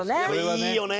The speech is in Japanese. いいよね。